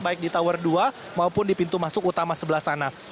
baik di tower dua maupun di pintu masuk utama sebelah sana